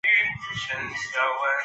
高松车站的铁路车站。